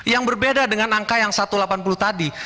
yang berbeda dengan angka yang satu ratus delapan puluh tadi